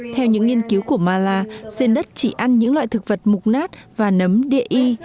theo những nghiên cứu của mala sen đất chỉ ăn những loại thực vật mục nát và nấm địa y